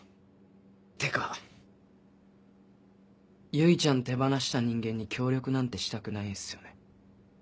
ってか唯ちゃん手放した人間に協力なんてしたくないんすよね。